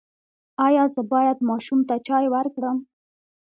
ایا زه باید ماشوم ته چای ورکړم؟